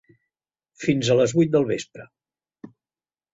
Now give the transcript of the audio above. Fins a les vuit del vespre.